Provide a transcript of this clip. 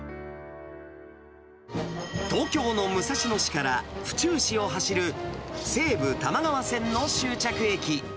東京の武蔵野市から府中市を走る西武多摩川線の終着駅。